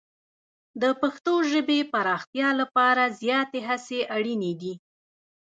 د پښتو ژبې پراختیا لپاره زیاتې هڅې اړینې دي.